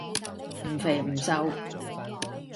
唔肥唔瘦